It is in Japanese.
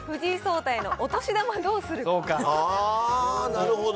なるほど。